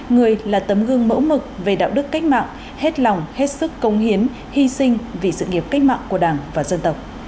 người là tấm gương mẫu mực về đạo đức cách mạng hết lòng hết sức công hiến hy sinh vì sự nghiệp cách mạng của đảng và dân tộc